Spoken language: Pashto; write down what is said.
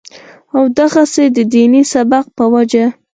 او دغسې د ديني سبق پۀ وجه